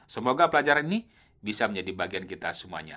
semoga pelajaran ini bisa menjadi bagian kita semuanya